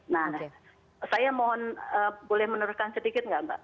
nah saya mohon boleh meneruskan sedikit nggak mbak